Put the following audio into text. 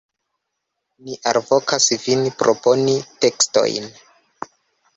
Ni alvokas vin proponi tekstojn.